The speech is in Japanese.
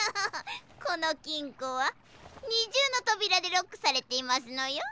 このきんこは２じゅうのとびらでロックされていますのよ。